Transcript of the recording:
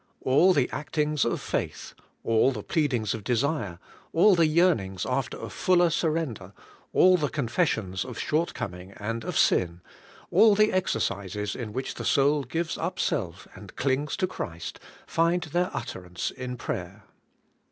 All the actings of faith, all the pleadings of desire, all the yearnings after a fuller surrender, all the confessions of shortcoming and of sin, all the exercises in which the soul gives up self and clings to Christ, find their utterance in prayer.